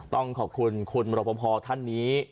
ต้องขอบคุณคุณมรปภท่านนี้